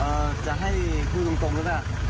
เอ่อจะให้พูดตรงได้ไหม